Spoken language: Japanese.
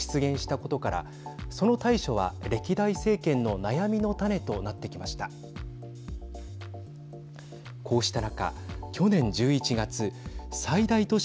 こうした中、去年１１月最大都市